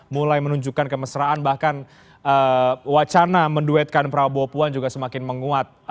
mulai menunjukkan kemesraan bahkan wacana menduetkan prabowo puan juga semakin menguat